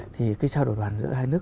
thì cái sao đổi đoàn giữa hai nước